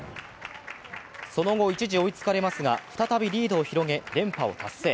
その後、一時追いつかれますが再びリードを広げ、連覇を達成。